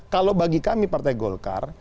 kalau bagi kami partai golkar